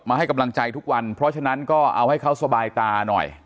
ให้กำลังใจทุกวันเพราะฉะนั้นก็เอาให้เขาสบายตาหน่อย